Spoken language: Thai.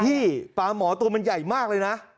ปลาหมอตัวมันใหญ่มากเลยนะ